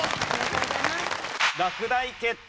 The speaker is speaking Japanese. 落第決定。